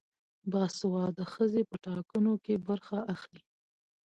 باسواده ښځې په ټاکنو کې برخه اخلي.